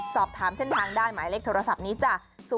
สอบถามเส้นทางได้หมายเลขโทรศัพท์นี้จ้ะ